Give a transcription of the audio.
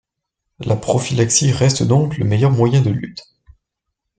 La prophylaxie reste donc le meilleur moyen de lutte.